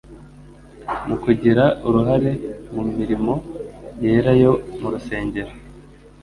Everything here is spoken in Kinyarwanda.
mu kugira uruhare mu mirimo yera yo mu rusengero